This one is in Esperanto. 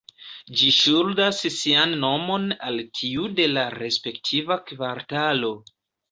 Ĝi ŝuldas sian nomon al tiu de la respektiva kvartalo.